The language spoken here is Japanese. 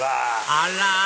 あら！